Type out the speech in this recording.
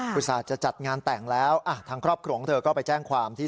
พริษาจะจัดงานแต่งแล้วอ่าทางครอบครองถึงก็ไปแจ้งความที่